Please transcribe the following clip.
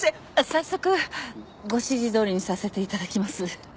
早速ご指示どおりにさせていただきます。